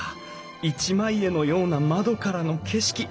一枚絵のような窓からの景色。